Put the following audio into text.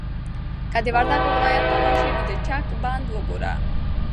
که د وردګو ولایت ته لاړ شې نو د چک بند وګوره.